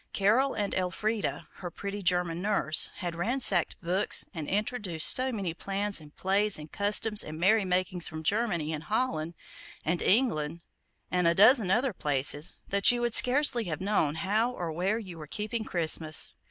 Carol and Elfrida, her pretty German nurse, had ransacked books, and introduced so many plans, and plays, and customs and merry makings from Germany, and Holland, and England and a dozen other places, that you would scarcely have known how or where you were keeping Christmas.